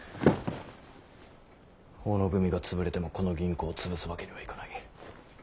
小野組が潰れてもこの銀行を潰すわけにはいかない。